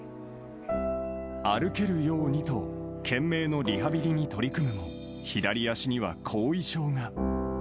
歩けるようにと、懸命のリハビリに取り組むも、左足には後遺症が。